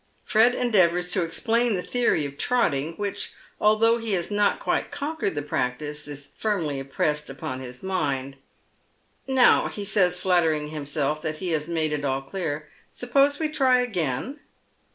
Fred endeavours to explain the theory of trotting, which, although he has not quite conquered the practice, is firmly im pressed upon his mind " Now," he says, flattering himself that he has made it all clear, " suppose we try again